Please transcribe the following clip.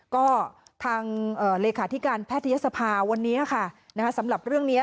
ก็ทางเลขาธิการแพทยศภาวันนี้ค่ะสำหรับเรื่องนี้